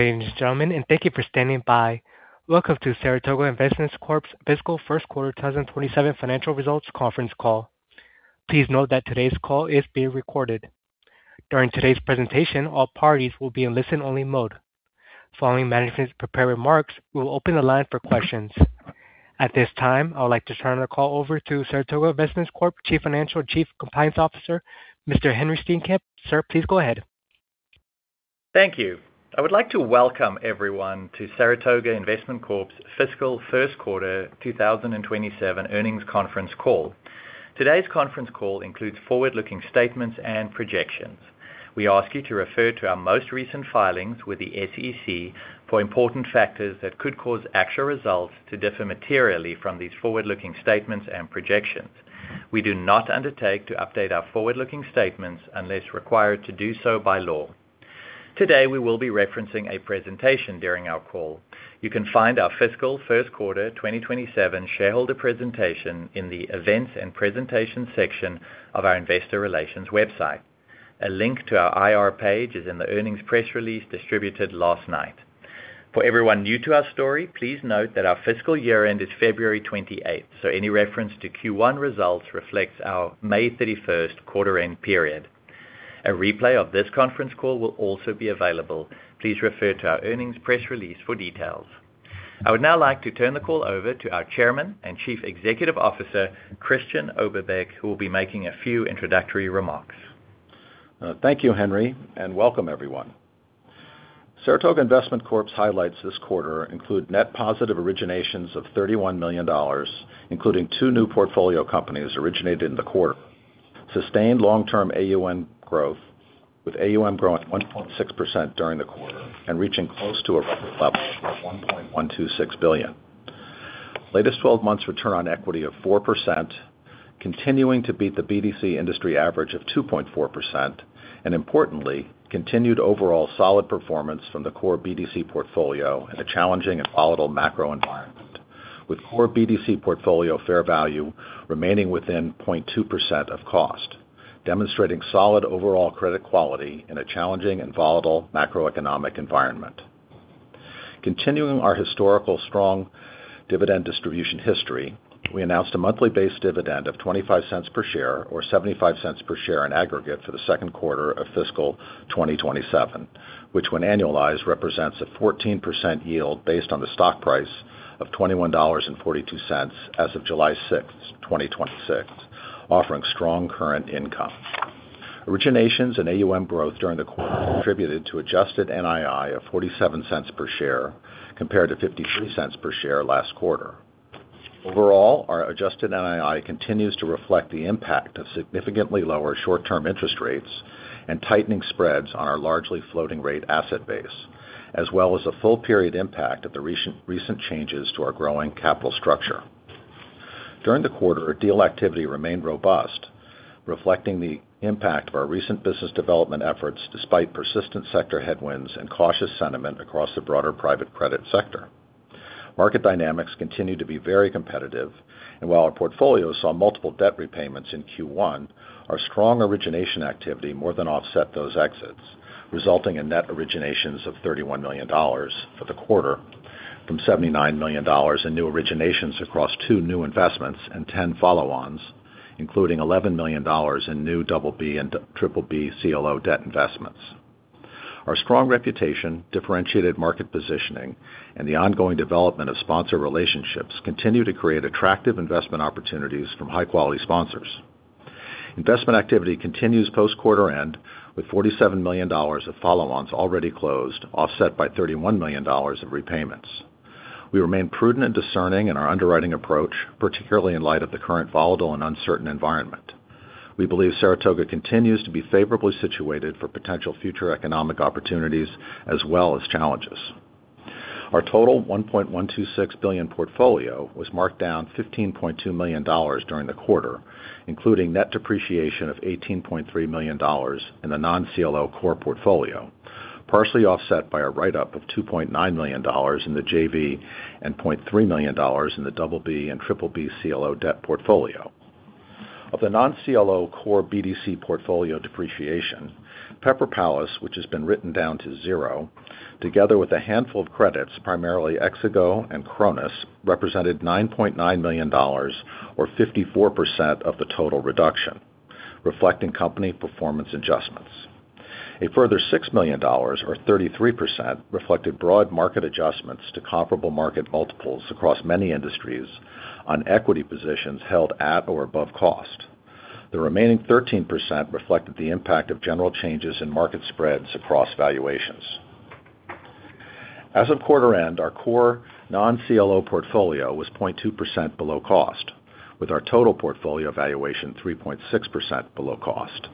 Good morning, ladies and gentlemen, and thank you for standing by. Welcome to Saratoga Investment Corp's Fiscal First Quarter 2027 Financial Results Conference Call. Please note that today's call is being recorded. During today's presentation, all parties will be in listen-only mode. Following management's prepared remarks, we will open the line for questions. At this time, I would like to turn the call over to Saratoga Investment Corp Chief Financial, Chief Compliance Officer, Mr. Henri Steenkamp. Sir, please go ahead. Thank you. I would like to welcome everyone to Saratoga Investment Corp's fiscal first quarter 2027 earnings conference call. Today's conference call includes forward-looking statements and projections. We ask you to refer to our most recent filings with the SEC for important factors that could cause actual results to differ materially from these forward-looking statements and projections. We do not undertake to update our forward-looking statements unless required to do so by law. Today, we will be referencing a presentation during our call. You can find our fiscal first quarter 2027 shareholder presentation in the Events & Presentation section of our investor relations website. A link to our IR page is in the earnings press release distributed last night. For everyone new to our story, please note that our fiscal year-end is February 28th, so any reference to Q1 results reflects our May 31st quarter-end period. A replay of this conference call will also be available. Please refer to our earnings press release for details. I would now like to turn the call over to our Chairman and Chief Executive Officer, Christian Oberbeck, who will be making a few introductory remarks. Thank you, Henri, and welcome everyone. Saratoga Investment Corp's highlights this quarter include net positive originations of $31 million, including two new portfolio companies originated in the quarter. Sustained long-term AUM growth, with AUM growing 1.6% during the quarter and reaching close to a record level of $1.126 billion. Latest 12 months return on equity of 4%, continuing to beat the BDC industry average of 2.4%, and importantly, continued overall solid performance from the core BDC portfolio in a challenging and volatile macro environment, with core BDC portfolio fair value remaining within 0.2% of cost, demonstrating solid overall credit quality in a challenging and volatile macroeconomic environment. Continuing our historical strong dividend distribution history, we announced a monthly base dividend of $0.25 per share or $0.75 per share in aggregate for the second quarter of fiscal 2027, which when annualized, represents a 14% yield based on the stock price of $21.42 as of July 6th, 2026, offering strong current income. Originations and AUM growth during the quarter contributed to adjusted NII of $0.47 per share compared to $0.53 per share last quarter. Overall, our adjusted NII continues to reflect the impact of significantly lower short-term interest rates and tightening spreads on our largely floating rate asset base, as well as the full period impact of the recent changes to our growing capital structure. During the quarter, our deal activity remained robust, reflecting the impact of our recent business development efforts despite persistent sector headwinds and cautious sentiment across the broader private credit sector. Market dynamics continue to be very competitive. While our portfolio saw multiple debt repayments in Q1, our strong origination activity more than offset those exits, resulting in net originations of $31 million for the quarter from $79 million in new originations across two new investments and 10 follow-ons, including $11 million in new BB and BBB CLO debt investments. Our strong reputation, differentiated market positioning, and the ongoing development of sponsor relationships continue to create attractive investment opportunities from high-quality sponsors. Investment activity continues post quarter-end, with $47 million of follow-ons already closed, offset by $31 million of repayments. We remain prudent and discerning in our underwriting approach, particularly in light of the current volatile and uncertain environment. We believe Saratoga continues to be favorably situated for potential future economic opportunities as well as challenges. Our total $1.126 billion portfolio was marked down $15.2 million during the quarter, including net depreciation of $18.3 million in the non-CLO core portfolio, partially offset by a write-up of $2.9 million in the JV and $0.3 million in the BB and BBB CLO debt portfolio. Of the non-CLO core BDC portfolio depreciation, Pepper Palace, which has been written down to zero, together with a handful of credits, primarily Exigo and Chronus, represented $9.9 million or 54% of the total reduction, reflecting company performance adjustments. A further $6 million or 33% reflected broad market adjustments to comparable market multiples across many industries on equity positions held at or above cost. The remaining 13% reflected the impact of general changes in market spreads across valuations. As of quarter end, our core non-CLO portfolio was 0.2% below cost, with our total portfolio valuation 3.6% below cost.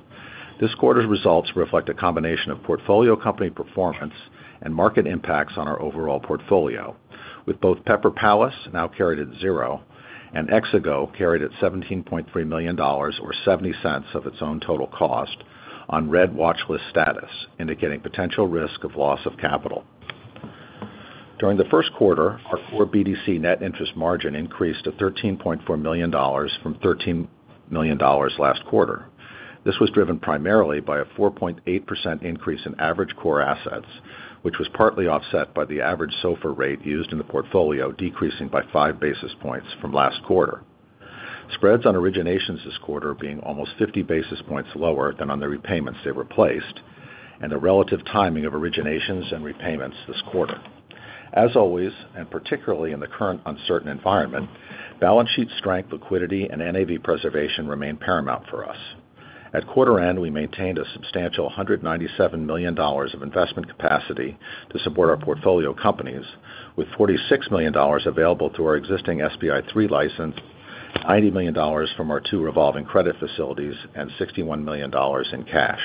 This quarter's results reflect a combination of portfolio company performance and market impacts on our overall portfolio, with both Pepper Palace, now carried at zero, and Exigo carried at $17.3 million, or $0.70 of its own total cost on red watchlist status, indicating potential risk of loss of capital. During the first quarter, our core BDC net interest margin increased to $13.4 million from $13 million last quarter. This was driven primarily by a 4.8% increase in average core assets, which was partly offset by the average SOFR rate used in the portfolio decreasing by 5 basis points from last quarter. Spreads on originations this quarter being almost 50 basis points lower than on the repayments they replaced. The relative timing of originations and repayments this quarter. As always, particularly in the current uncertain environment, balance sheet strength, liquidity, and NAV preservation remain paramount for us. At quarter end, we maintained a substantial $197 million of investment capacity to support our portfolio companies, with $46 million available through our existing SBIC III license, $90 million from our two revolving credit facilities, and $61 million in cash.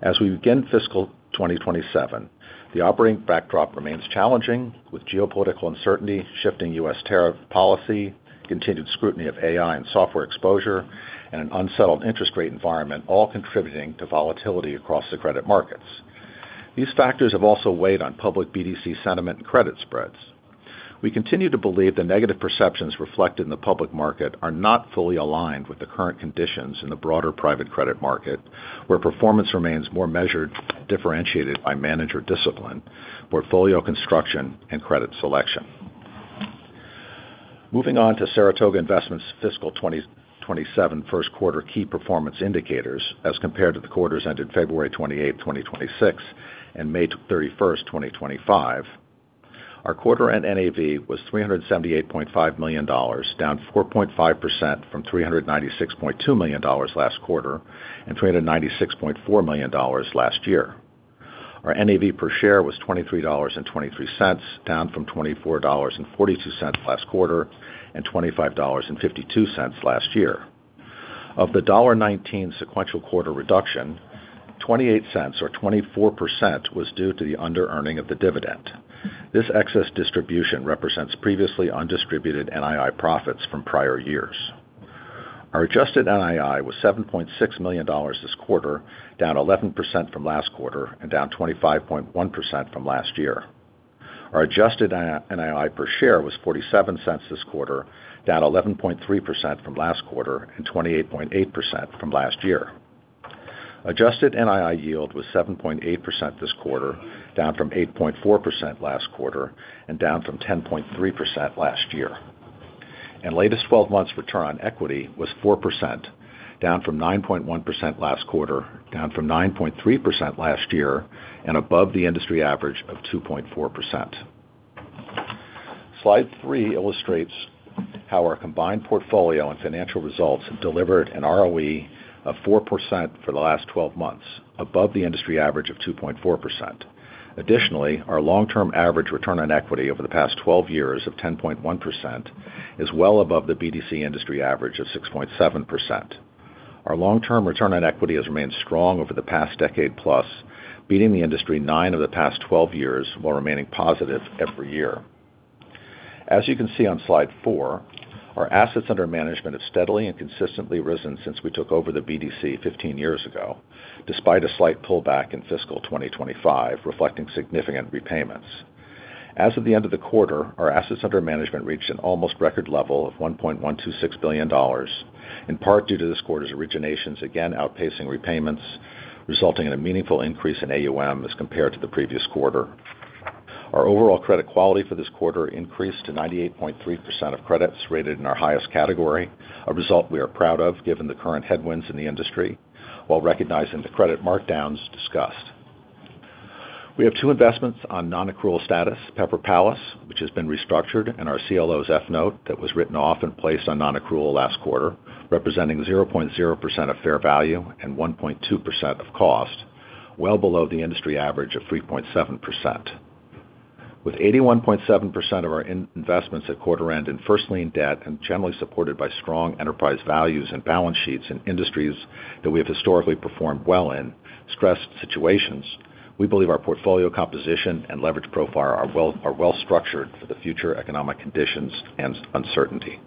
As we begin fiscal 2027, the operating backdrop remains challenging, with geopolitical uncertainty, shifting U.S. tariff policy, continued scrutiny of AI and software exposure, and an unsettled interest rate environment, all contributing to volatility across the credit markets. These factors have also weighed on public BDC sentiment and credit spreads. We continue to believe that negative perceptions reflected in the public market are not fully aligned with the current conditions in the broader private credit market, where performance remains more measured, differentiated by manager discipline, portfolio construction, and credit selection. Moving on to Saratoga Investment fiscal 2027 first quarter key performance indicators as compared to the quarters ended February 28, 2026, and May 31, 2025. Our quarter end NAV was $378.5 million, down 4.5% from $396.2 million last quarter and $296.4 million last year. Our NAV per share was $23.23, down from $24.42 last quarter and $25.52 last year. Of the $1.19 sequential quarter reduction, $0.28 or 24% was due to the under-earning of the dividend. This excess distribution represents previously undistributed NII profits from prior years. Our adjusted NII was $7.6 million this quarter, down 11% from last quarter and down 25.1% from last year. Our adjusted NII per share was $0.47 this quarter, down 11.3% from last quarter and 28.8% from last year. Adjusted NII yield was 7.8% this quarter, down from 8.4% last quarter and down from 10.3% last year. Latest 12 months return on equity was 4%, down from 9.1% last quarter, down from 9.3% last year, and above the industry average of 2.4%. Slide three illustrates how our combined portfolio and financial results delivered an ROE of 4% for the last 12 months, above the industry average of 2.4%. Additionally, our long-term average return on equity over the past 12 years of 10.1% is well above the BDC industry average of 6.7%. Our long-term return on equity has remained strong over the past decade plus, beating the industry nine of the past 12 years while remaining positive every year. As you can see on slide four, our assets under management have steadily and consistently risen since we took over the BDC 15 years ago, despite a slight pullback in fiscal 2025, reflecting significant repayments. As of the end of the quarter, our assets under management reached an almost record level of $1.126 billion, in part due to this quarter's originations again outpacing repayments, resulting in a meaningful increase in AUM as compared to the previous quarter. Our overall credit quality for this quarter increased to 98.3% of credits rated in our highest category. A result we are proud of given the current headwinds in the industry, while recognizing the credit markdowns discussed. We have two investments on non-accrual status, Pepper Palace, which has been restructured, and our CLO's F note that was written off and placed on non-accrual last quarter, representing 0.0% of fair value and 1.2% of cost, well below the industry average of 3.7%. With 81.7% of our investments at quarter end in first lien debt and generally supported by strong enterprise values and balance sheets in industries that we have historically performed well in stress situations, we believe our portfolio composition and leverage profile are well structured for the future economic conditions and uncertainty.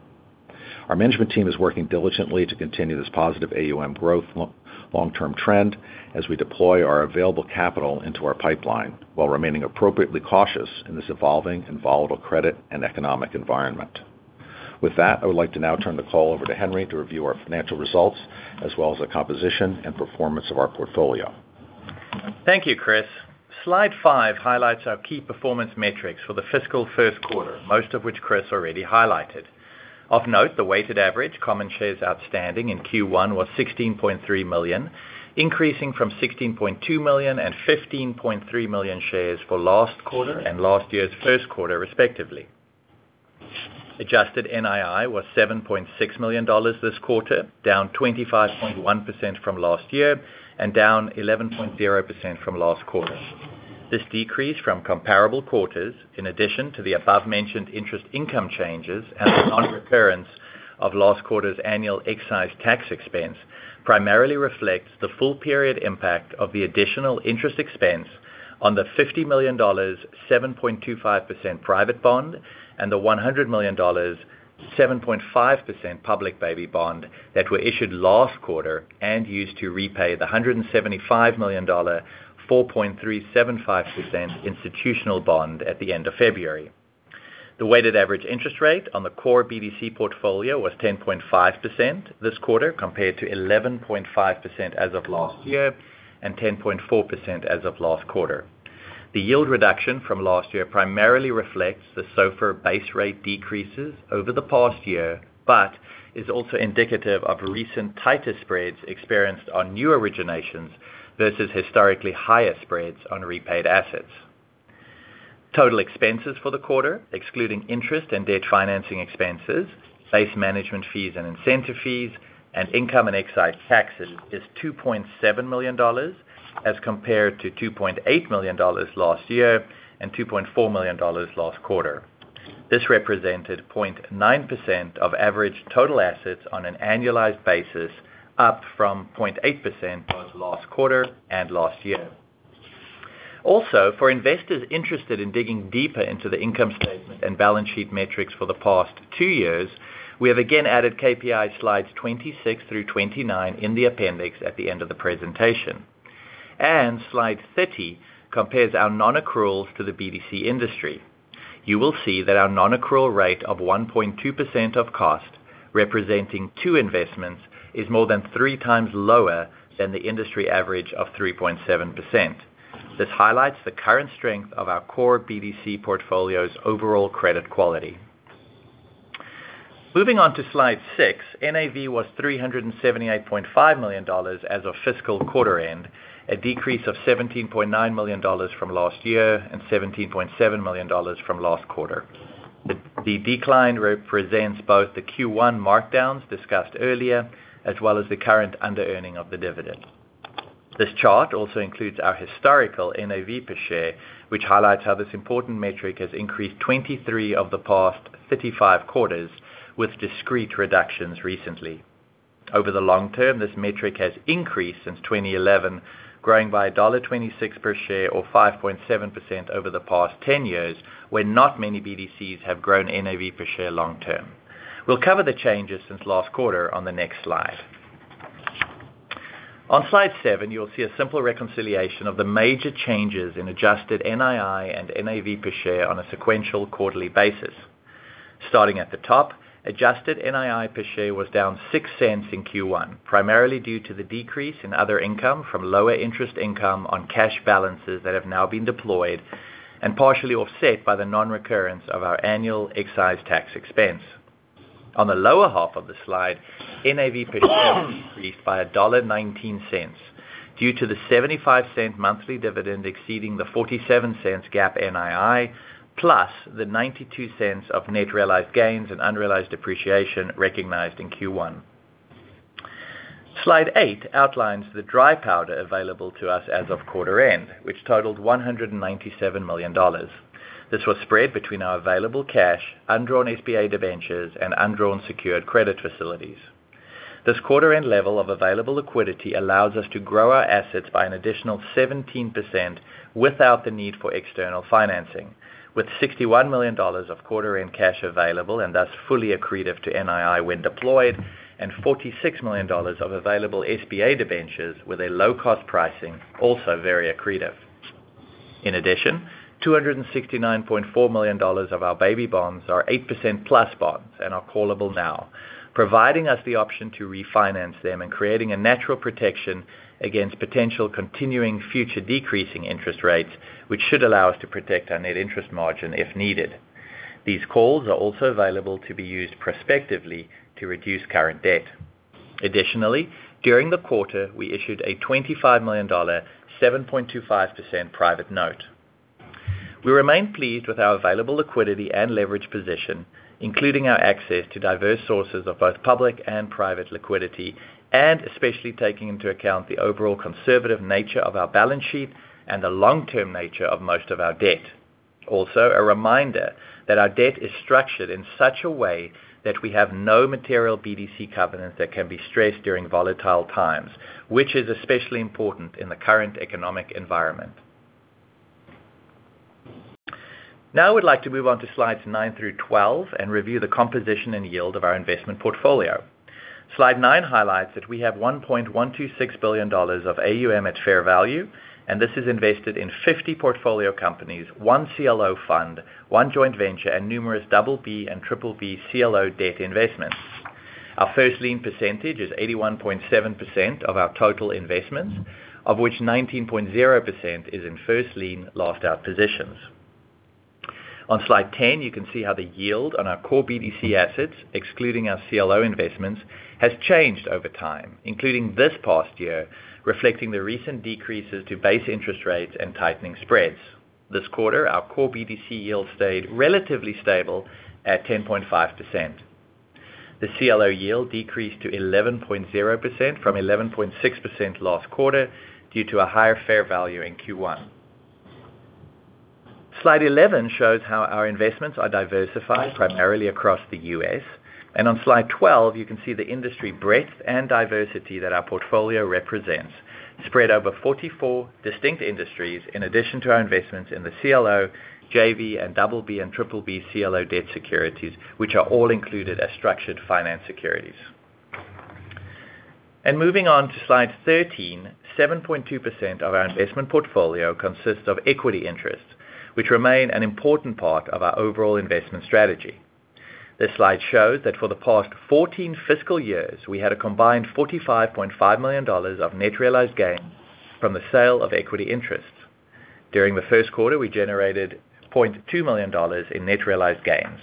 Our management team is working diligently to continue this positive AUM growth long-term trend as we deploy our available capital into our pipeline while remaining appropriately cautious in this evolving and volatile credit and economic environment. With that, I would like to now turn the call over to Henri to review our financial results as well as the composition and performance of our portfolio. Thank you, Chris. Slide five highlights our key performance metrics for the fiscal first quarter, most of which Chris already highlighted. Of note, the weighted average common shares outstanding in Q1 was 16.3 million, increasing from 16.2 million and 15.3 million shares for last quarter and last year's first quarter respectively. Adjusted NII was $7.6 million this quarter, down 25.1% from last year and down 11.0% from last quarter. This decrease from comparable quarters, in addition to the above-mentioned interest income changes and the non-recurrence of last quarter's annual excise tax expense, primarily reflects the full period impact of the additional interest expense on the $50 million, 7.25% private bond and the $100 million 7.5% public baby bond that were issued last quarter and used to repay the $175 million 4.375% institutional bond at the end of February. The weighted average interest rate on the core BDC portfolio was 10.5% this quarter, compared to 11.5% as of last year and 10.4% as of last quarter. The yield reduction from last year primarily reflects the SOFR base rate decreases over the past year, but is also indicative of recent tighter spreads experienced on new originations versus historically higher spreads on repaid assets. Total expenses for the quarter, excluding interest and debt financing expenses, base management fees and incentive fees, and income and excise taxes, is $2.7 million as compared to $2.8 million last year and $2.4 million last quarter. This represented 0.9% of average total assets on an annualized basis, up from 0.8% both last quarter and last year. Also, for investors interested in digging deeper into the income statement and balance sheet metrics for the past two years, we have again added KPI slides 26 through 29 in the appendix at the end of the presentation. Slide 30 compares our non-accruals to the BDC industry. You will see that our non-accrual rate of 1.2% of cost, representing two investments, is more than 3x lower than the industry average of 3.7%. This highlights the current strength of our core BDC portfolio's overall credit quality. Moving on to slide six, NAV was $378.5 million as of fiscal quarter end, a decrease of $17.9 million from last year and $17.7 million from last quarter. The decline represents both the Q1 markdowns discussed earlier, as well as the current underearning of the dividend. This chart also includes our historical NAV per share, which highlights how this important metric has increased 23 of the past 35 quarters, with discrete reductions recently. Over the long term, this metric has increased since 2011, growing by $1.26 per share or 5.7% over the past 10 years, when not many BDCs have grown NAV per share long term. We'll cover the changes since last quarter on the next slide. On slide seven, you'll see a simple reconciliation of the major changes in adjusted NII and NAV per share on a sequential quarterly basis. Starting at the top, adjusted NII per share was down $0.06 in Q1, primarily due to the decrease in other income from lower interest income on cash balances that have now been deployed and partially offset by the non-recurrence of our annual excise tax expense. On the lower half of the slide, NAV per share decreased by $1.19 due to the $0.75 monthly dividend exceeding the $0.47 GAAP NII, plus the $0.92 of net realized gains and unrealized appreciation recognized in Q1. Slide eight outlines the dry powder available to us as of quarter end, which totaled $197 million. This was spread between our available cash, undrawn SBA debentures, and undrawn secured credit facilities. This quarter-end level of available liquidity allows us to grow our assets by an additional 17% without the need for external financing. With $61 million of quarter-end cash available, and thus fully accretive to NII when deployed, and $46 million of available SBA debentures with a low-cost pricing, also very accretive. In addition, $269.4 million of our baby bonds are 8%+ bonds and are callable now, providing us the option to refinance them and creating a natural protection against potential continuing future decreasing interest rates, which should allow us to protect our net interest margin if needed. These calls are also available to be used prospectively to reduce current debt. Additionally, during the quarter, we issued a $25 million 7.25% private note. We remain pleased with our available liquidity and leverage position, including our access to diverse sources of both public and private liquidity, and especially taking into account the overall conservative nature of our balance sheet and the long-term nature of most of our debt. Also, a reminder that our debt is structured in such a way that we have no material BDC covenants that can be stressed during volatile times, which is especially important in the current economic environment. Now I would like to move on to slides nine through 12 and review the composition and yield of our investment portfolio. Slide nine highlights that we have $1.126 billion of AUM at fair value, and this is invested in 50 portfolio companies, one CLO fund, one joint venture, and numerous BB and BBB CLO debt investments. Our first lien percentage is 81.7% of our total investments, of which 19.0% is in first lien last-out positions. On slide 10, you can see how the yield on our core BDC assets, excluding our CLO investments, has changed over time, including this past year, reflecting the recent decreases to base interest rates and tightening spreads. This quarter, our core BDC yield stayed relatively stable at 10.5%. The CLO yield decreased to 11.0% from 11.6% last quarter due to a higher fair value in Q1. Slide 11 shows how our investments are diversified primarily across the U.S. On slide 12, you can see the industry breadth and diversity that our portfolio represents. Spread over 44 distinct industries, in addition to our investments in the CLO, JV, and BB and BBB CLO debt securities, which are all included as structured finance securities. Moving on to slide 13, 7.2% of our investment portfolio consists of equity interests, which remain an important part of our overall investment strategy. This slide shows that for the past 14 fiscal years, we had a combined $45.5 million of net realized gains from the sale of equity interests. During the first quarter, we generated $0.2 million in net realized gains.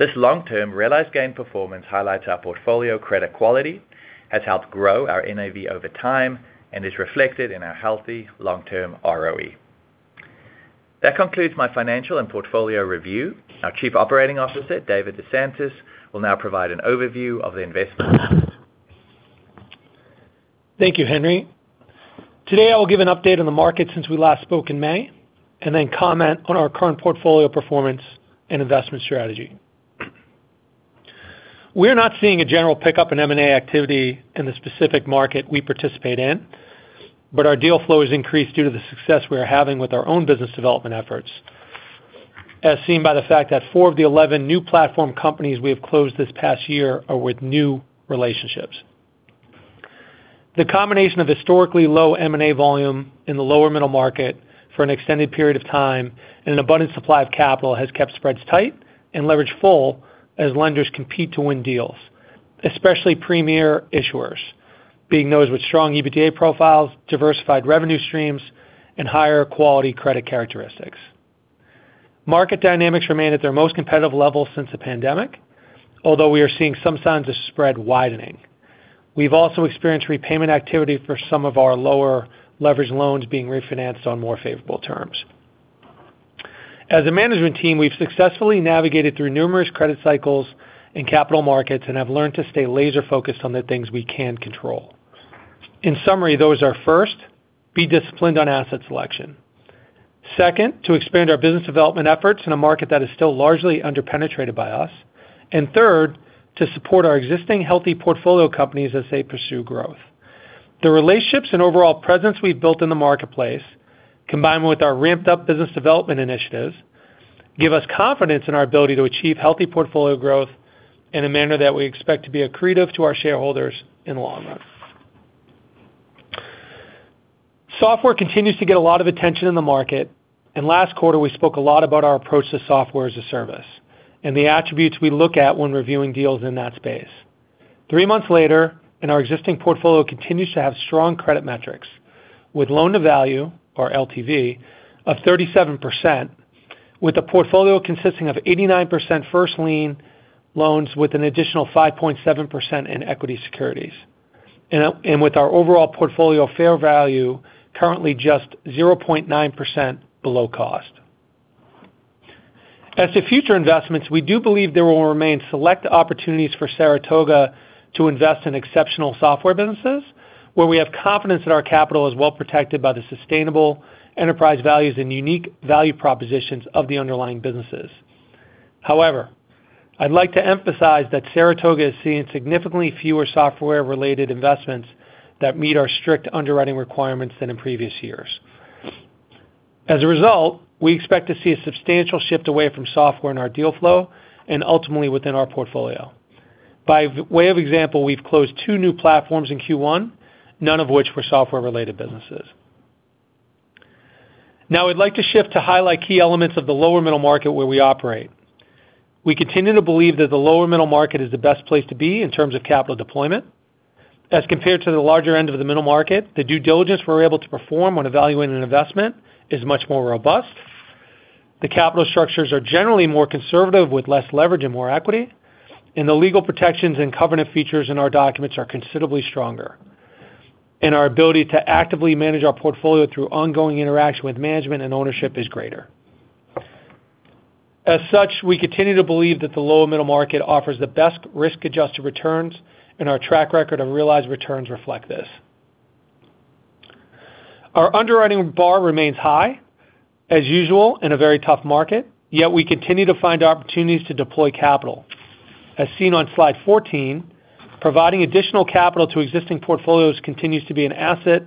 This long-term realized gain performance highlights our portfolio credit quality, has helped grow our NAV over time, and is reflected in our healthy long-term ROE. That concludes my financial and portfolio review. Our Chief Operating Officer, David DeSantis, will now provide an overview of the investment. Thank you, Henri. Today, I will give an update on the market since we last spoke in May, and then comment on our current portfolio performance and investment strategy. We are not seeing a general pickup in M&A activity in the specific market we participate in, but our deal flow has increased due to the success we are having with our own business development efforts, as seen by the fact that four of the 11 new platform companies we have closed this past year are with new relationships. The combination of historically low M&A volume in the lower middle market for an extended period of time and an abundant supply of capital has kept spreads tight and leverage full as lenders compete to win deals, especially premier issuers, being those with strong EBITDA profiles, diversified revenue streams, and higher quality credit characteristics. Market dynamics remain at their most competitive level since the pandemic, although we are seeing some signs of spread widening. We've also experienced repayment activity for some of our lower leverage loans being refinanced on more favorable terms. As a management team, we've successfully navigated through numerous credit cycles and capital markets and have learned to stay laser-focused on the things we can control. In summary, those are, first, be disciplined on asset selection. Second, to expand our business development efforts in a market that is still largely under-penetrated by us. Third, to support our existing healthy portfolio companies as they pursue growth. The relationships and overall presence we've built in the marketplace, combined with our ramped-up business development initiatives, give us confidence in our ability to achieve healthy portfolio growth in a manner that we expect to be accretive to our shareholders in the long run. Software continues to get a lot of attention in the market. Last quarter we spoke a lot about our approach to Software as a Service and the attributes we look at when reviewing deals in that space. Three months later, our existing portfolio continues to have strong credit metrics with loan to value, or LTV, of 37%, with a portfolio consisting of 89% first lien loans with an additional 5.7% in equity securities, and with our overall portfolio fair value currently just 0.9% below cost. As to future investments, we do believe there will remain select opportunities for Saratoga to invest in exceptional software businesses where we have confidence that our capital is well protected by the sustainable enterprise values and unique value propositions of the underlying businesses. However, I'd like to emphasize that Saratoga is seeing significantly fewer software-related investments that meet our strict underwriting requirements than in previous years. As a result, we expect to see a substantial shift away from software in our deal flow and ultimately within our portfolio. By way of example, we've closed two new platforms in Q1, none of which were software-related businesses. I'd like to shift to highlight key elements of the lower middle market where we operate. We continue to believe that the lower middle market is the best place to be in terms of capital deployment. Compared to the larger end of the middle market, the due diligence we're able to perform when evaluating an investment is much more robust. The capital structures are generally more conservative with less leverage and more equity, the legal protections and covenant features in our documents are considerably stronger. Our ability to actively manage our portfolio through ongoing interaction with management and ownership is greater. As such, we continue to believe that the lower middle market offers the best risk-adjusted returns. Our track record of realized returns reflect this. Our underwriting bar remains high, as usual in a very tough market, yet we continue to find opportunities to deploy capital. As seen on slide 14, providing additional capital to existing portfolios continues to be an asset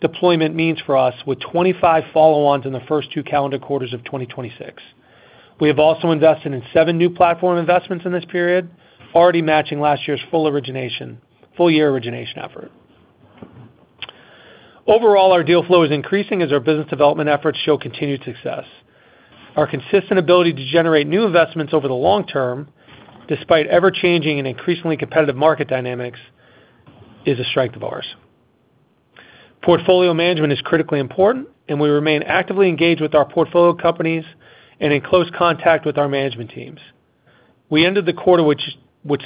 deployment means for us with 25 follow-ons in the first two calendar quarters of 2026. We have also invested in seven new platform investments in this period, already matching last year's full year origination effort. Overall, our deal flow is increasing as our business development efforts show continued success. Our consistent ability to generate new investments over the long term, despite ever-changing and increasingly competitive market dynamics, is a strength of ours. Portfolio management is critically important. We remain actively engaged with our portfolio companies and in close contact with our management teams. We ended the quarter with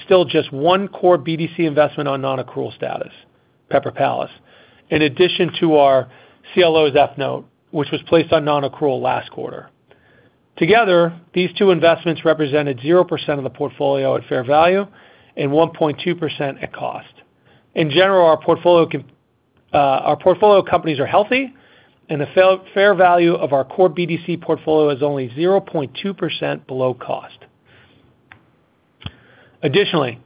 still just one core BDC investment on non-accrual status, Pepper Palace, in addition to our CLO's F note, which was placed on non-accrual last quarter. Together, these two investments represented 0% of the portfolio at fair value and 1.2% at cost. In general, our portfolio companies are healthy and the fair value of our core BDC portfolio is only 0.2% below cost. Additionally,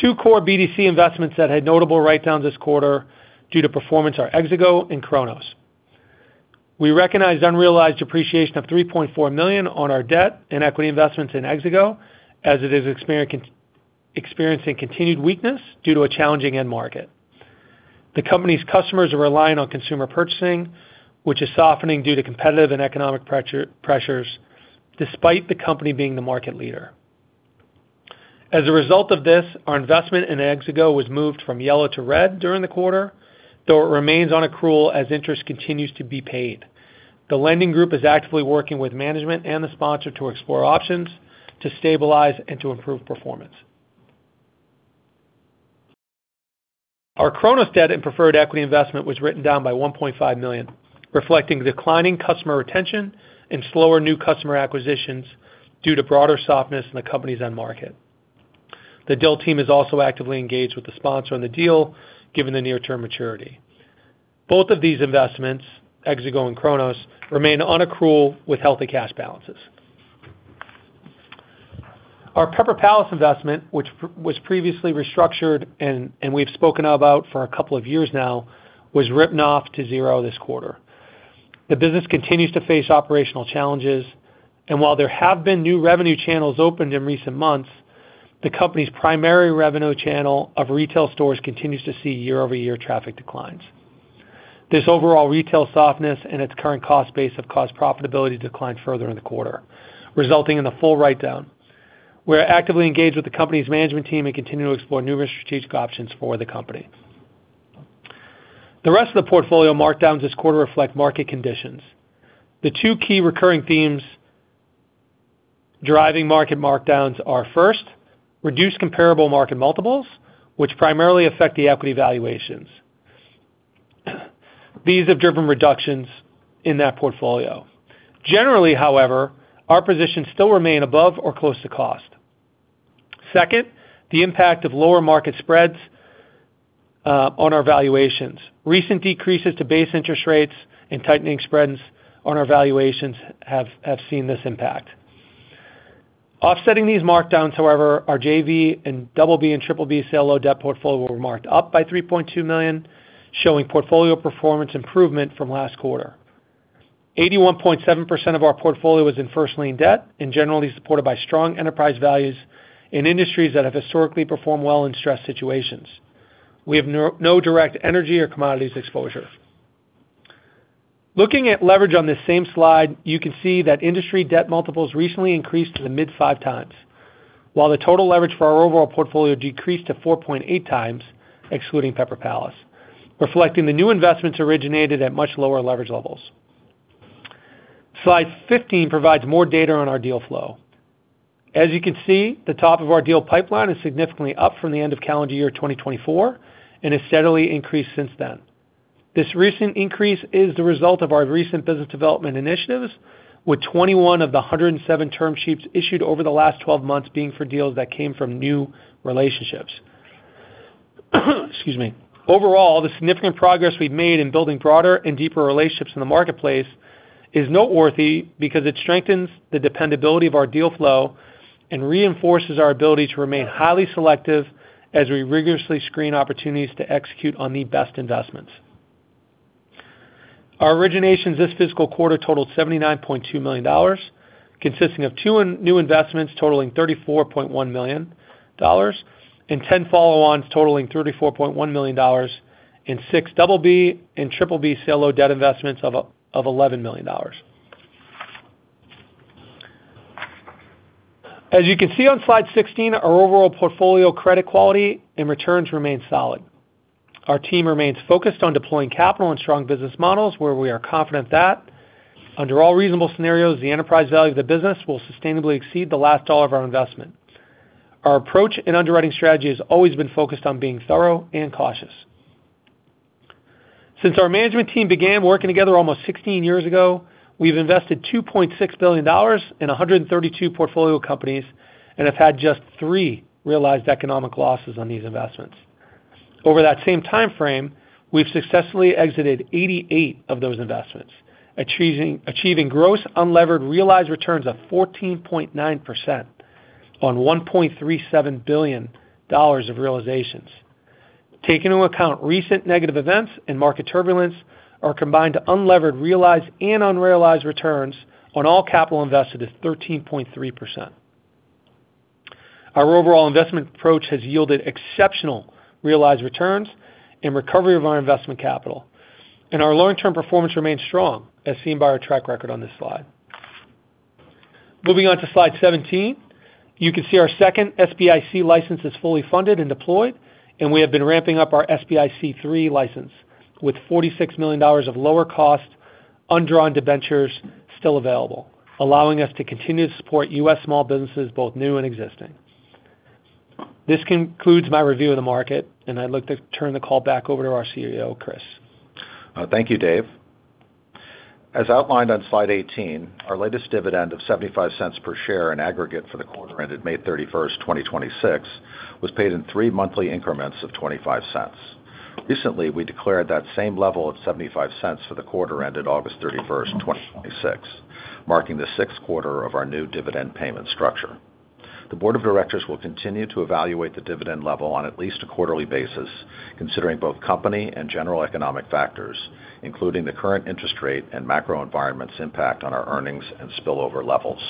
two core BDC investments that had notable write-downs this quarter due to performance are Exigo and Chronus. We recognized unrealized appreciation of $3.4 million on our debt and equity investments in Exigo, as it is experiencing continued weakness due to a challenging end market. The company's customers are relying on consumer purchasing, which is softening due to competitive and economic pressures, despite the company being the market leader. As a result of this, our investment in Exigo was moved from yellow to red during the quarter, though it remains on accrual as interest continues to be paid. The lending group is actively working with management and the sponsor to explore options to stabilize and to improve performance. Our Chronus debt and preferred equity investment was written down by $1.5 million, reflecting declining customer retention and slower new customer acquisitions due to broader softness in the company's end market. The deal team is also actively engaged with the sponsor on the deal given the near-term maturity. Both of these investments, Exigo and Chronus, remain on accrual with healthy cash balances. Our Pepper Palace investment, which was previously restructured and we've spoken about for a couple of years now, was written off to zero this quarter. The business continues to face operational challenges, and while there have been new revenue channels opened in recent months, the company's primary revenue channel of retail stores continues to see year-over-year traffic declines. This overall retail softness and its current cost base have caused profitability to decline further in the quarter, resulting in the full write-down. We are actively engaged with the company's management team and continue to explore numerous strategic options for the company. The rest of the portfolio markdowns this quarter reflect market conditions. The two key recurring themes driving market markdowns are, first, reduced comparable market multiples, which primarily affect the equity valuations. These have driven reductions in that portfolio. Generally, however, our positions still remain above or close to cost. Second, the impact of lower market spreads on our valuations. Recent decreases to base interest rates and tightening spreads on our valuations have seen this impact. Offsetting these markdowns, however, our JV and BB and BBB CLO debt portfolio were marked up by $3.2 million, showing portfolio performance improvement from last quarter. 81.7% of our portfolio was in first lien debt and generally supported by strong enterprise values in industries that have historically performed well in stressed situations. We have no direct energy or commodities exposure. Looking at leverage on this same slide, you can see that industry debt multiples recently increased to the mid 5x, while the total leverage for our overall portfolio decreased to 4.8x, excluding Pepper Palace, reflecting the new investments originated at much lower leverage levels. Slide 15 provides more data on our deal flow. As you can see, the top of our deal pipeline is significantly up from the end of calendar year 2024 and has steadily increased since then. This recent increase is the result of our recent business development initiatives, with 21 of the 107 term sheets issued over the last 12 months being for deals that came from new relationships. Overall, the significant progress we've made in building broader and deeper relationships in the marketplace is noteworthy because it strengthens the dependability of our deal flow and reinforces our ability to remain highly selective as we rigorously screen opportunities to execute on the best investments. Our originations this fiscal quarter totaled $79.2 million, consisting of two new investments totaling $34.1 million and 10 follow-ons totaling $34.1 million in six BB and BBB CLO debt investments of $11 million. As you can see on slide 16, our overall portfolio credit quality and returns remain solid. Our team remains focused on deploying capital and strong business models where we are confident that under all reasonable scenarios, the enterprise value of the business will sustainably exceed the last dollar of our investment. Our approach and underwriting strategy has always been focused on being thorough and cautious. Since our management team began working together almost 16 years ago, we've invested $2.6 billion in 132 portfolio companies and have had just three realized economic losses on these investments. Over that same time frame, we've successfully exited 88 of those investments, achieving gross unlevered realized returns of 14.9% on $1.37 billion of realizations. Taking into account recent negative events and market turbulence, our combined unlevered realized and unrealized returns on all capital invested is 13.3%. Our overall investment approach has yielded exceptional realized returns and recovery of our investment capital, and our long-term performance remains strong, as seen by our track record on this slide. Moving on to slide 17. You can see our second SBIC license is fully funded and deployed, and we have been ramping up our SBIC III license with $46 million of lower cost undrawn debentures still available, allowing us to continue to support U.S. small businesses, both new and existing. This concludes my review of the market, and I'd look to turn the call back over to our CEO, Chris. Thank you, Dave. As outlined on slide 18, our latest dividend of $0.75 per share in aggregate for the quarter ended May 31, 2026 was paid in three monthly increments of $0.25. Recently, we declared that same level of $0.75 for the quarter ended August 31, 2026, marking the sixth quarter of our new dividend payment structure. The board of directors will continue to evaluate the dividend level on at least a quarterly basis, considering both company and general economic factors, including the current interest rate and macro environment's impact on our earnings and spillover levels.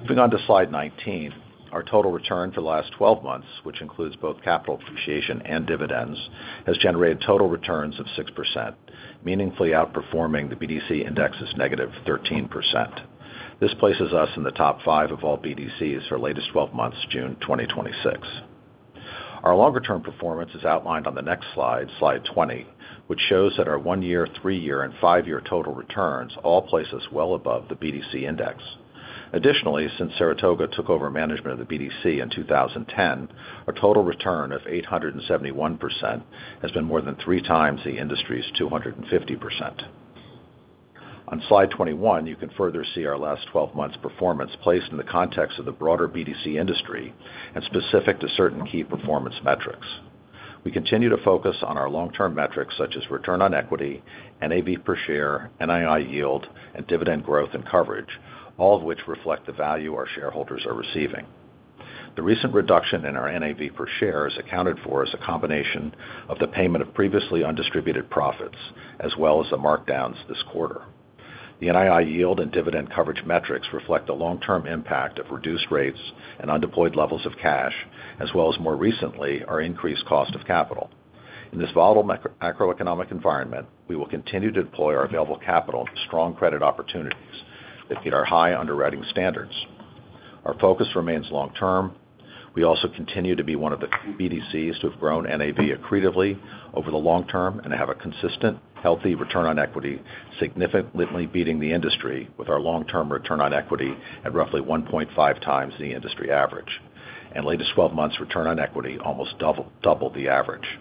Moving on to slide 19. Our total return for the last 12 months, which includes both capital appreciation and dividends, has generated total returns of 6%, meaningfully outperforming the BDC index's negative 13%. This places us in the top five of all BDCs for latest 12 months to June 2026. Our longer-term performance is outlined on the next slide 20, which shows that our one-year, three-year and five-year total returns all place us well above the BDC index. Additionally, since Saratoga took over management of the BDC in 2010, our total return of 871% has been more than 3x the industry's 250%. On slide 21, you can further see our last 12 months performance placed in the context of the broader BDC industry and specific to certain key performance metrics. We continue to focus on our long-term metrics such as return on equity, NAV per share, NII yield, and dividend growth and coverage, all of which reflect the value our shareholders are receiving. The recent reduction in our NAV per share is accounted for as a combination of the payment of previously undistributed profits, as well as the markdowns this quarter. The NII yield and dividend coverage metrics reflect the long-term impact of reduced rates and undeployed levels of cash, as well as more recently, our increased cost of capital. In this volatile macroeconomic environment, we will continue to deploy our available capital to strong credit opportunities that meet our high underwriting standards. Our focus remains long term. We also continue to be one of the few BDCs to have grown NAV accretively over the long term and have a consistent, healthy return on equity, significantly beating the industry with our long-term return on equity at roughly 1.5x the industry average. Latest 12 months return on equity almost double the average.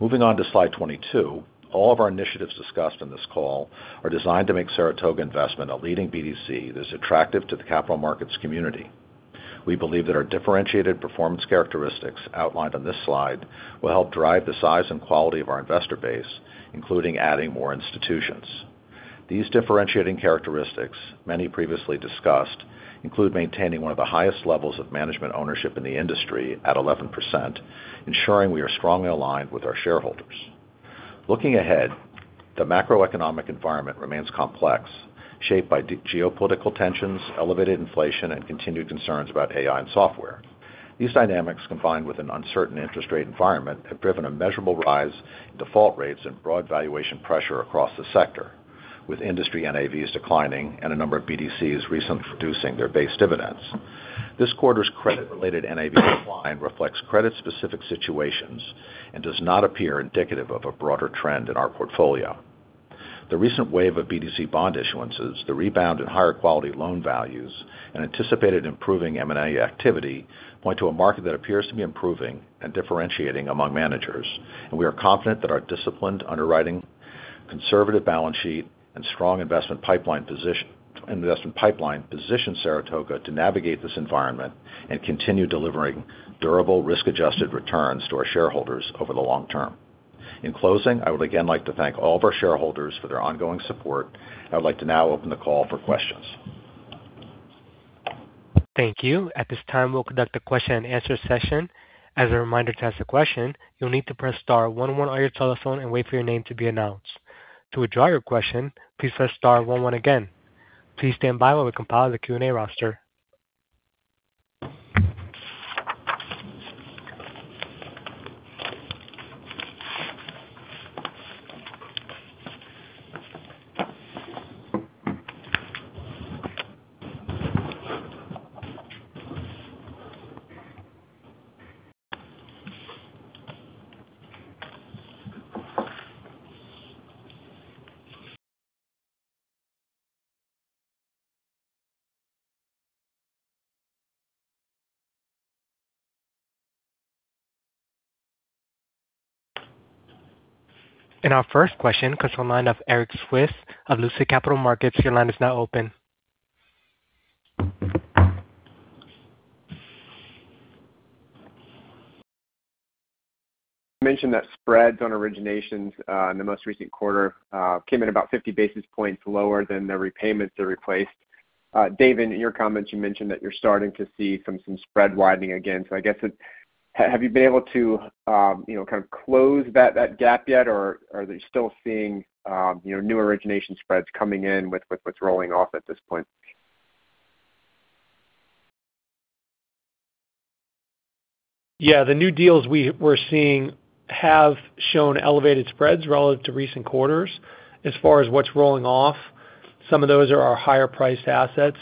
Moving on to slide 22. All of our initiatives discussed in this call are designed to make Saratoga Investment a leading BDC that's attractive to the capital markets community. We believe that our differentiated performance characteristics outlined on this slide will help drive the size and quality of our investor base, including adding more institutions. These differentiating characteristics, many previously discussed, include maintaining one of the highest levels of management ownership in the industry at 11%, ensuring we are strongly aligned with our shareholders. Looking ahead, the macroeconomic environment remains complex, shaped by geopolitical tensions, elevated inflation, and continued concerns about AI and software. These dynamics, combined with an uncertain interest rate environment, have driven a measurable rise in default rates and broad valuation pressure across the sector, with industry NAVs declining and a number of BDCs recently reducing their base dividends. This quarter's credit-related NAV decline reflects credit-specific situations and does not appear indicative of a broader trend in our portfolio. The recent wave of BDC bond issuances, the rebound in higher quality loan values, and anticipated improving M&A activity point to a market that appears to be improving and differentiating among managers. We are confident that our disciplined underwriting, conservative balance sheet, and strong investment pipeline positions Saratoga to navigate this environment and continue delivering durable risk-adjusted returns to our shareholders over the long term. In closing, I would again like to thank all of our shareholders for their ongoing support. I would like to now open the call for questions. Thank you. At this time, we'll conduct a question and answer session. As a reminder, to ask a question, you'll need to press star one one on your telephone and wait for your name to be announced. To withdraw your question, please press star one one again. Please stand by while we compile the Q&A roster. Our first question comes from the line of Erik Zwick of Lucid Capital Markets. Your line is now open. Mentioned that spreads on originations in the most recent quarter came in about 50 basis points lower than the repayments they replaced. Dave, in your comments, you mentioned that you're starting to see some spread widening again. I guess, have you been able to kind of close that gap yet? Or are they still seeing new origination spreads coming in with what's rolling off at this point? Yeah. The new deals we're seeing have shown elevated spreads relative to recent quarters. As far as what's rolling off, some of those are our higher priced assets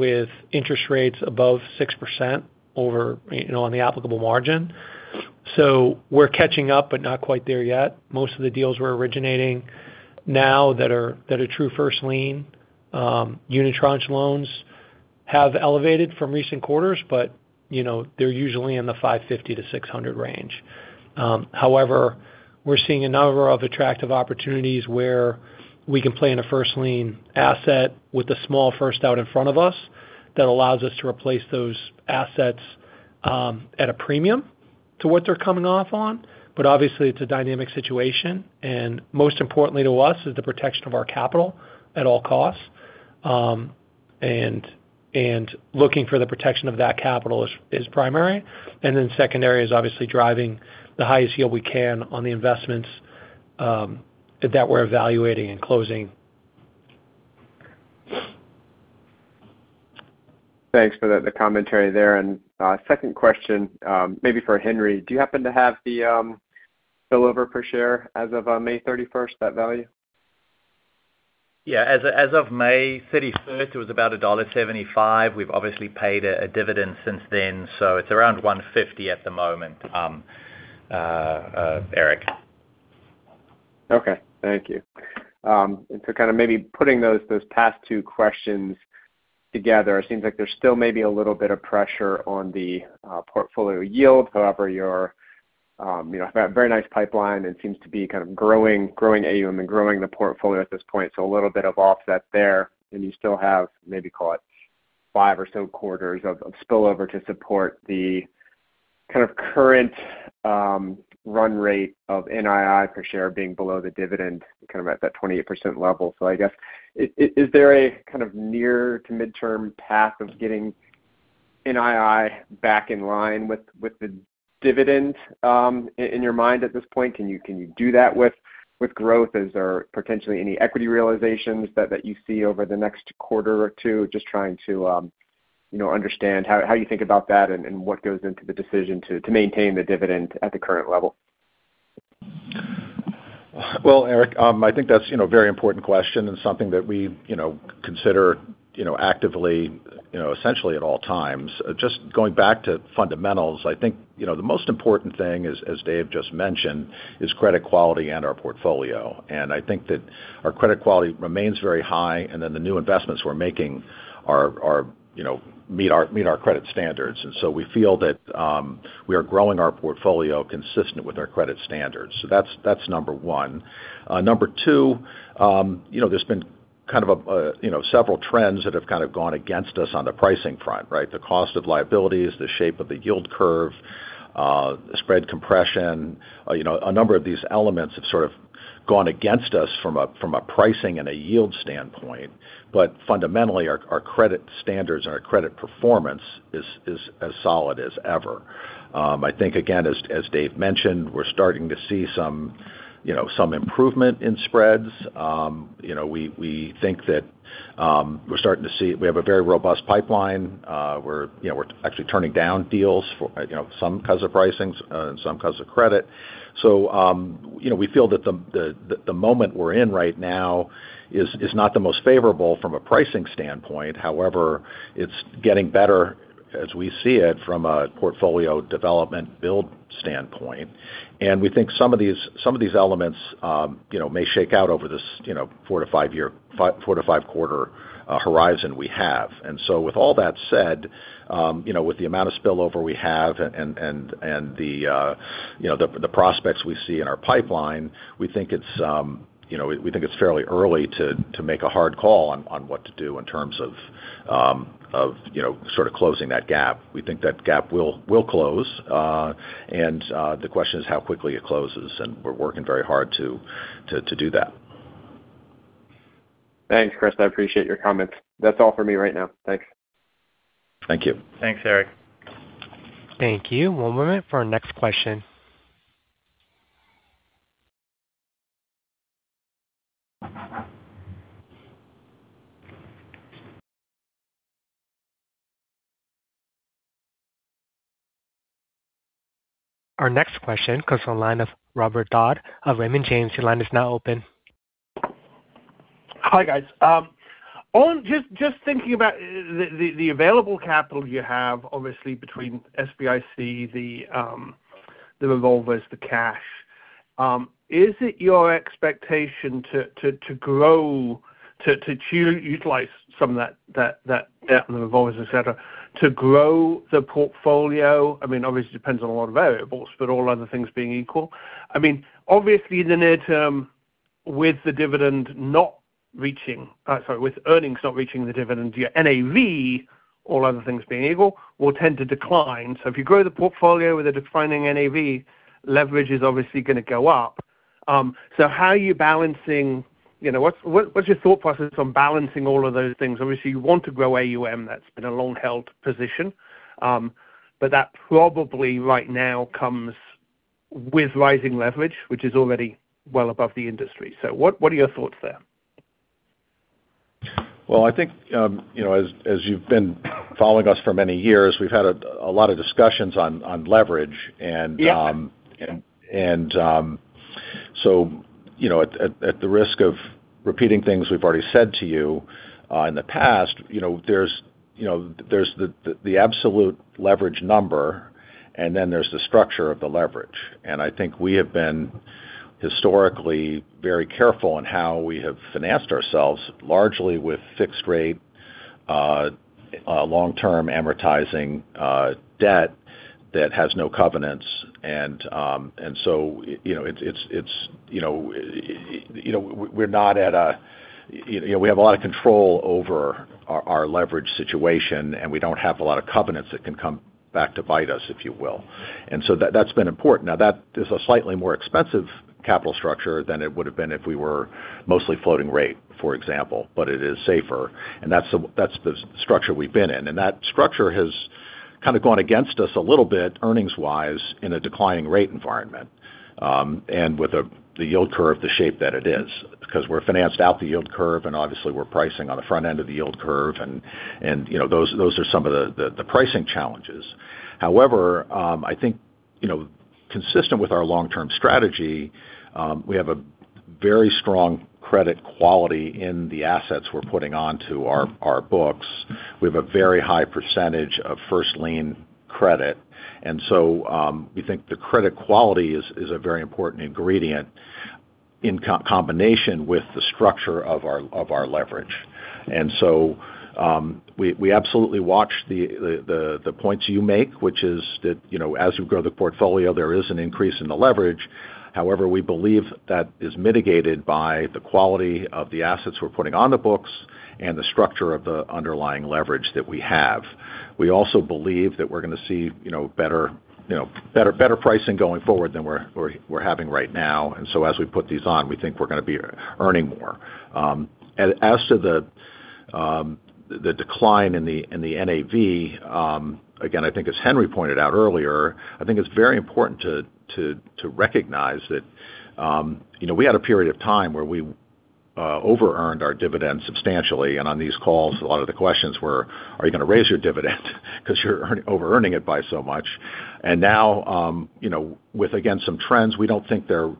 with interest rates above 6% on the applicable margin. We're catching up, but not quite there yet. Most of the deals we're originating now that are true first lien unitranche loans have elevated from recent quarters, but they're usually in the 550-600 range. However, we're seeing a number of attractive opportunities where we can play in a first lien asset with a small first out in front of us that allows us to replace those assets at a premium to what they're coming off on. Obviously, it's a dynamic situation, and most importantly to us is the protection of our capital at all costs. Looking for the protection of that capital is primary. Then secondary is obviously driving the highest yield we can on the investments that we're evaluating and closing. Thanks for the commentary there. Second question, maybe for Henri. Do you happen to have the spillover per share as of May 31st, that value? Yeah. As of May 31st, it was about $1.75. We've obviously paid a dividend since then, so it's around $1.50 at the moment, Erik. Okay, thank you. Kind of maybe putting those past two questions together, it seems like there still may be a little bit of pressure on the portfolio yield. However, you have a very nice pipeline and seems to be kind of growing AUM and growing the portfolio at this point, so a little bit of offset there. You still have, maybe call it five or so quarters of spillover to support the kind of current run rate of NII per share being below the dividend, kind of at that 28% level. I guess, is there a kind of near to midterm path of getting NII back in line with the dividend, in your mind at this point? Can you do that with growth? Is there potentially any equity realizations that you see over the next quarter or two? Just trying to understand how you think about that and what goes into the decision to maintain the dividend at the current level. Well, Erik, I think that's a very important question and something that we consider actively, essentially at all times. Just going back to fundamentals, I think the most important thing is, as Dave just mentioned, is credit quality and our portfolio. I think that our credit quality remains very high, the new investments we're making meet our credit standards. We feel that we are growing our portfolio consistent with our credit standards. That's number one. Number two, there's been kind of several trends that have kind of gone against us on the pricing front, right? The cost of liabilities, the shape of the yield curve, spread compression. A number of these elements have sort of gone against us from a pricing and a yield standpoint. Fundamentally, our credit standards and our credit performance is as solid as ever. I think, again, as Dave mentioned, we're starting to see some improvement in spreads. We think that we have a very robust pipeline. We're actually turning down deals, some because of pricings and some because of credit. We feel that the moment we're in right now is not the most favorable from a pricing standpoint. However, it's getting better as we see it from a portfolio development build standpoint. We think some of these elements may shake out over this four to five quarter horizon we have. With all that said, with the amount of spillover we have and the prospects we see in our pipeline, we think it's fairly early to make a hard call on what to do in terms of sort of closing that gap. We think that gap will close. The question is how quickly it closes, and we're working very hard to do that. Thanks, Chris. I appreciate your comments. That's all for me right now. Thanks. Thank you. Thanks, Erik. Thank you. One moment for our next question. Our next question comes from the line of Robert Dodd of Raymond James. Your line is now open. Hi, guys. Just thinking about the available capital you have, obviously between SBIC, the revolvers, the cash. Is it your expectation to utilize some of that debt and the revolvers, et cetera, to grow the portfolio? I mean, obviously, it depends on a lot of variables, but all other things being equal. I mean, obviously in the near-term with earnings not reaching the dividend, your NAV, all other things being equal, will tend to decline. If you grow the portfolio with a declining NAV, leverage is obviously going to go up. What's your thought process on balancing all of those things? Obviously, you want to grow AUM, that's been a long-held position. That probably right now comes with rising leverage, which is already well above the industry. What are your thoughts there? Well, I think, as you've been following us for many years, we've had a lot of discussions on leverage. Yeah. At the risk of repeating things we've already said to you, in the past, there's the absolute leverage number, and then there's the structure of the leverage. I think we have been historically very careful in how we have financed ourselves, largely with fixed rate, long-term amortizing debt that has no covenants. We have a lot of control over our leverage situation, and we don't have a lot of covenants that can come back to bite us, if you will. That's been important. Now, that is a slightly more expensive capital structure than it would've been if we were mostly floating rate, for example, but it is safer, and that's the structure we've been in. That structure has kind of gone against us a little bit earnings-wise in a declining rate environment. With the yield curve the shape that it is. Because we're financed out the yield curve and obviously we're pricing on the front end of the yield curve. Those are some of the pricing challenges. However, I think, consistent with our long-term strategy, we have a very strong credit quality in the assets we're putting onto our books. We have a very high percentage of first lien credit. We think the credit quality is a very important ingredient in combination with the structure of our leverage. We absolutely watch the points you make, which is that, as we grow the portfolio, there is an increase in the leverage. However, we believe that is mitigated by the quality of the assets we're putting on the books and the structure of the underlying leverage that we have. We also believe that we're going to see better pricing going forward than we're having right now. As we put these on, we think we're going to be earning more. As to the decline in the NAV, again, I think as Henri pointed out earlier, I think it's very important to recognize that we had a period of time where we over-earned our dividends substantially. On these calls, a lot of the questions were, "Are you going to raise your dividend? Because you're over-earning it by so much." Now, with again, some trends, we don't think they're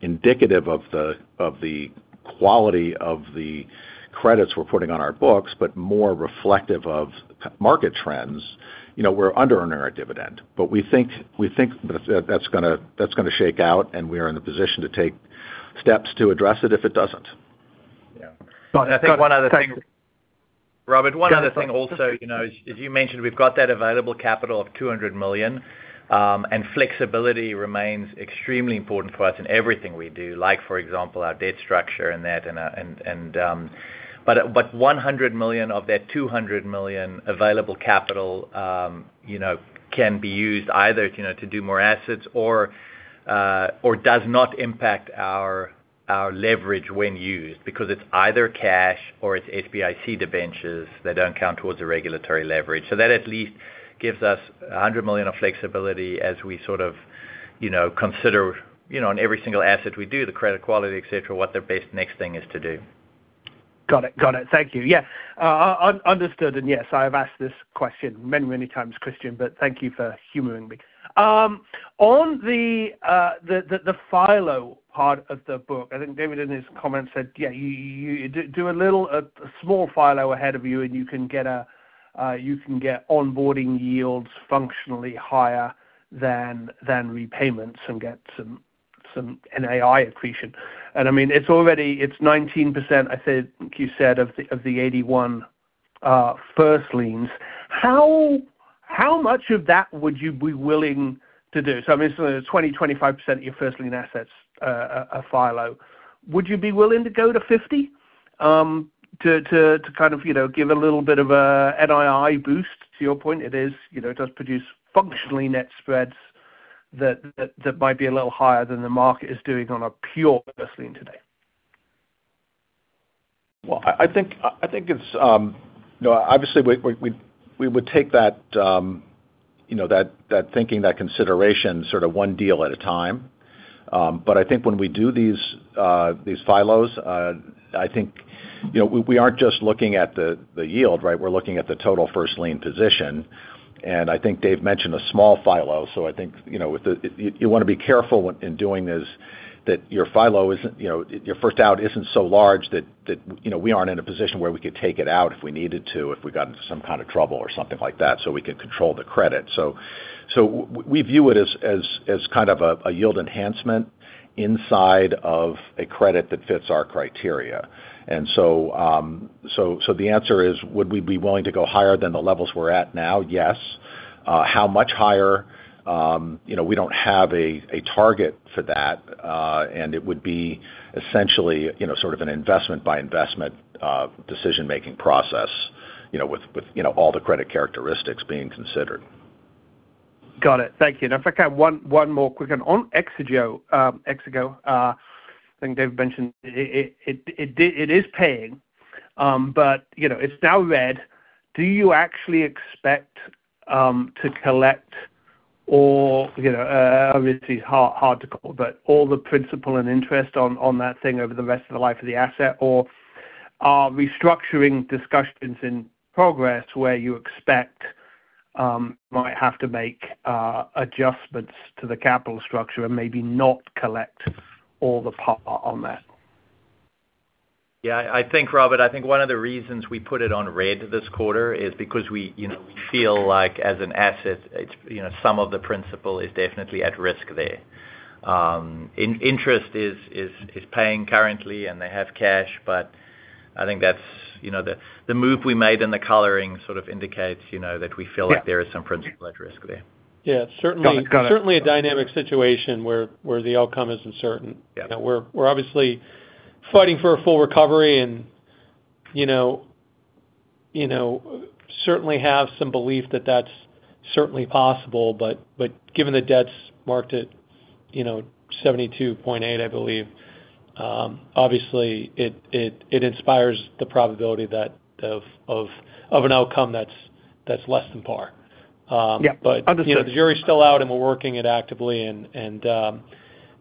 indicative of the quality of the credits we're putting on our books, but more reflective of market trends. We're under-earning our dividend. We think that's going to shake out, and we're in the position to take steps to address it if it doesn't. Yeah. Go ahead. Robert, one other thing also, as you mentioned, we've got that available capital of $200 million. Flexibility remains extremely important for us in everything we do, like, for example, our debt structure and that. $100 million of that $200 million available capital can be used either to do more assets or does not impact our leverage when used. Because it's either cash or it's SBIC debentures that don't count towards the regulatory leverage. That at least gives us $100 million of flexibility as we sort of consider on every single asset we do, the credit quality, et cetera, what the best next thing is to do. Got it. Thank you. Yeah. Understood. Yes, I have asked this question many times, Christian, but thank you for humoring me. On the FILO part of the book, I think David, in his comments said, you do a small FILO ahead of you, and you can get onboarding yields functionally higher than repayments and get some NII accretion. I mean, it's already 19%, I think you said, of the 81% first liens. How much of that would you be willing to do? I mean, so 20%-25% of your first lien assets are FILO. Would you be willing to go to 50% to kind of give a little bit of a NII boost? To your point, it does produce functionally net spreads that might be a little higher than the market is doing on a pure first lien today. Well, I think, obviously, we would take that thinking, that consideration sort of one deal at a time. I think when we do these FILOs, I think we aren't just looking at the yield, right? We're looking at the total first lien position. I think Dave mentioned a small FILO. I think, you want to be careful in doing this, that your first out isn't so large that we aren't in a position where we could take it out if we needed to if we got into some kind of trouble or something like that, so we could control the credit. We view it as kind of a yield enhancement inside of a credit that fits our criteria. The answer is, would we be willing to go higher than the levels we're at now? Yes. How much higher? We don't have a target for that. It would be essentially sort of an investment-by-investment decision-making process. With all the credit characteristics being considered. Got it. Thank you. If I have one more quick one. On Exigo, I think Dave mentioned it is paying. It's now red. Do you actually expect to collect or, obviously it's hard to call, but all the principal and interest on that thing over the rest of the life of the asset? Or are restructuring discussions in progress where you expect you might have to make adjustments to the capital structure and maybe not collect all the par on that? Yeah, I think, Robert, one of the reasons we put it on red this quarter is because we feel like as an asset, some of the principal is definitely at risk there. Interest is paying currently, and they have cash, but I think the move we made in the coloring sort of indicates that we feel like there is some principal at risk there. Yeah. Certainly a dynamic situation where the outcome is uncertain. We're obviously fighting for a full recovery and certainly have some belief that that's certainly possible. Given the debt's marked at 72.8, I believe, obviously it inspires the probability of an outcome that's less than par. Yeah. Understood. The jury's still out, and we're working it actively and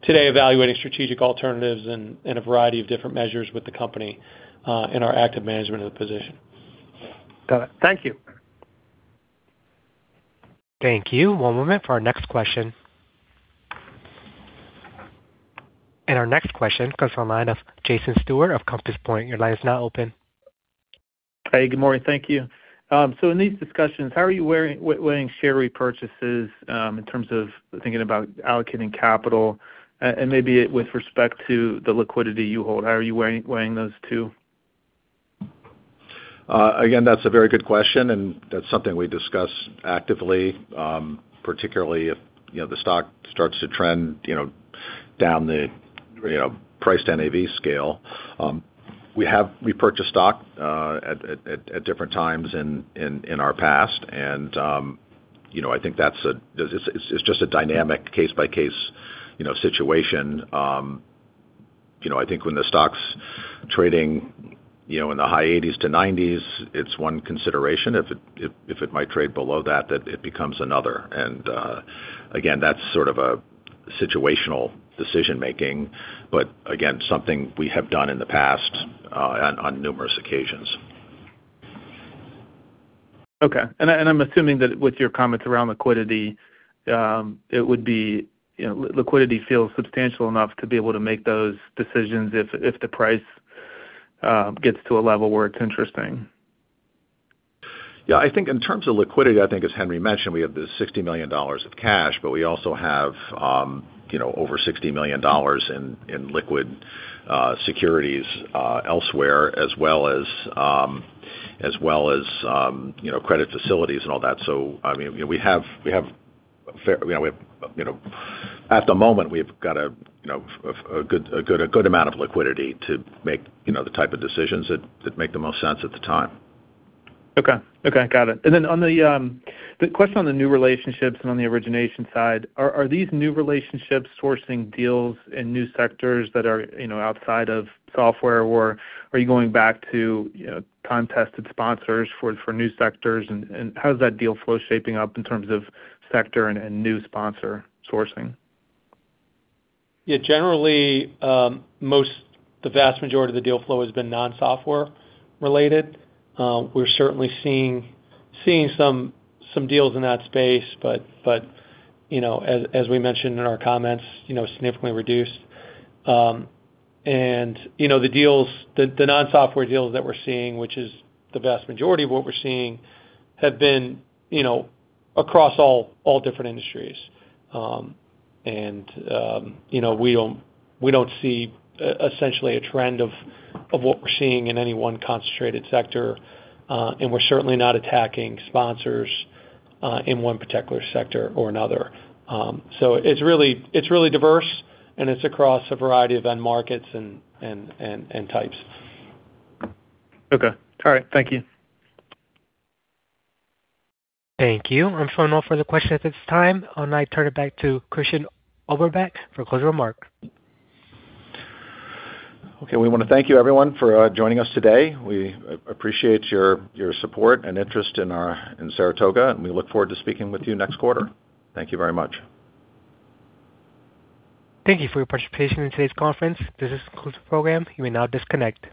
today evaluating strategic alternatives and a variety of different measures with the company in our active management of the position. Got it. Thank you. Thank you. One moment for our next question. Our next question comes from the line of Jason Stewart of Compass Point. Your line is now open. Hey, good morning. Thank you. In these discussions, how are you weighing share repurchases in terms of thinking about allocating capital and maybe with respect to the liquidity you hold? How are you weighing those two? That's a very good question, and that's something we discuss actively, particularly if the stock starts to trend down the price to NAV scale. We have repurchased stock at different times in our past. I think it's just a dynamic case-by-case situation. I think when the stock's trading in the high 80s to 90s, it's one consideration. If it might trade below that, it becomes another. Again, that's sort of a situational decision-making. Again, something we have done in the past on numerous occasions. Okay. I'm assuming that with your comments around liquidity feels substantial enough to be able to make those decisions if the price gets to a level where it's interesting. Yeah, I think in terms of liquidity, I think as Henri mentioned, we have the $60 million of cash. We also have over $60 million in liquid securities elsewhere as well as credit facilities and all that. At the moment, we've got a good amount of liquidity to make the type of decisions that make the most sense at the time. Okay. Got it. Then the question on the new relationships and on the origination side, are these new relationships sourcing deals in new sectors that are outside of software, or are you going back to time-tested sponsors for new sectors? How is that deal flow shaping up in terms of sector and new sponsor sourcing? Yeah, generally, the vast majority of the deal flow has been non-software related. We're certainly seeing some deals in that space. As we mentioned in our comments, significantly reduced. The non-software deals that we're seeing, which is the vast majority of what we're seeing, have been across all different industries. We don't see essentially a trend of what we're seeing in any one concentrated sector. We're certainly not attacking sponsors in one particular sector or another. It's really diverse, and it's across a variety of end markets and types. Okay. All right. Thank you. Thank you. I'm showing no further questions at this time. I'll now turn it back to Christian Oberbeck for closing remarks. Okay. We want to thank you, everyone, for joining us today. We appreciate your support and interest in Saratoga. We look forward to speaking with you next quarter. Thank you very much. Thank you for your participation in today's conference. This concludes the program. You may now disconnect.